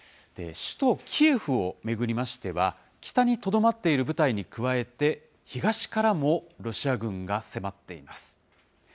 首都キエフを巡りましては、北にとどまっている部隊に加えて、東からもロシア軍が迫っています。